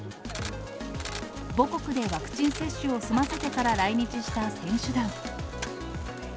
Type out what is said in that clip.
母国でワクチン接種を済ませてから来日した選手団。